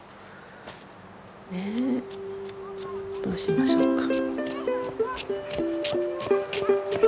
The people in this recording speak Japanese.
ねえどうしましょうか。